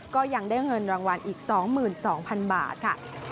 ก็ยังได้เงินรางวัลอีก๒๒๐๐๐บาทค่ะ